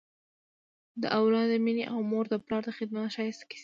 د اولاد د مینې او مور و پلار د خدمت ښایسته کیسه